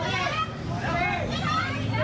เฮ้ยเฮ้ยเฮ้ย